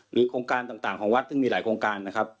โครงการต่างของวัดซึ่งมีหลายโครงการนะครับ